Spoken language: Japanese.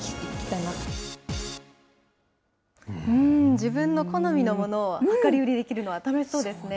自分の好みのものを量り売りできるのは楽しそうですね。